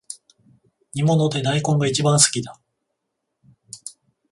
煮物で大根がいちばん好きだ